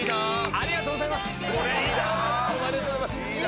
ありがとうございます。